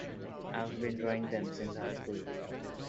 I've been drawing them since high school.